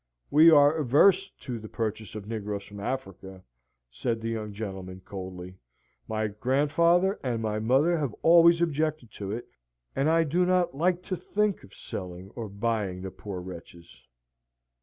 "We are averse to the purchase of negroes from Africa," said the young gentleman, coldly. "My grandfather and my mother have always objected to it, and I do not like to think of selling or buying the poor wretches."